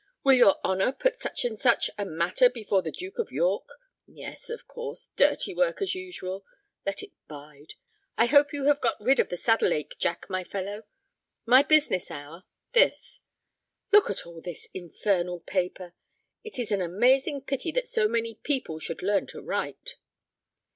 Will your honor put such and such a matter before the Duke of York? Yes, of course, dirty work, as usual. Let it bide. I hope you have got rid of the saddle ache, Jack, my fellow. My business hour—this; look at all this infernal paper; it is an amazing pity that so many people should learn to write."